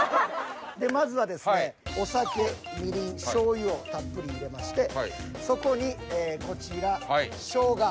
まずはですねお酒みりん醤油をたっぷり入れましてそこにこちらショウガ。